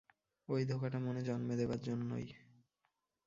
ঐ ধোঁকাটা মনে জন্মে দেবার জন্যেই।